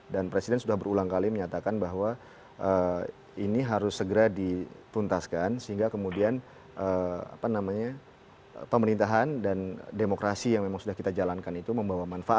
dan presiden sudah berulang kali menyatakan bahwa ini harus segera dituntaskan sehingga kemudian pemerintahan dan demokrasi yang memang sudah kita jalankan itu membawa manfaat